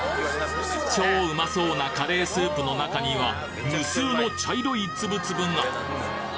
超うまそうなカレースープの中には無数の茶色いつぶつぶが！